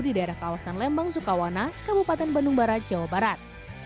di daerah kawasan lembang sukawana kabupaten bandung barat jawa barat